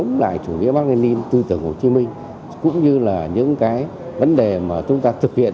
như là những vấn đề mà chúng ta thực hiện